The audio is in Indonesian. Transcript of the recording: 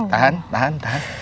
tahan tahan tahan